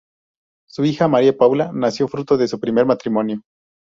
Su hija María Paula nació fruto de su primer matrimonio.